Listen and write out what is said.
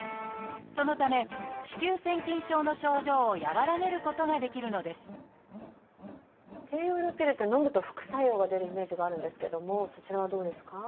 そのため子宮腺筋症の症状を和らげることができるのです低用量ピルってのむと副作用が出るイメージがあるんですけどもそちらはどうですか？